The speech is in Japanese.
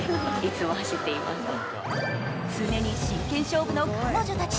常に真剣勝負の彼女たち。